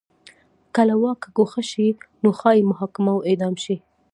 که له واکه ګوښه شي نو ښايي محاکمه او اعدام شي.